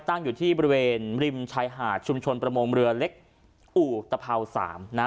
ตั้งอยู่ที่บริเวณริมชายหาดชุมชนประมงเรือเล็กอู่ตภาว๓นะฮะ